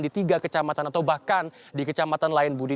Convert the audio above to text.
di tiga kecamatan atau bahkan di kecamatan lain budi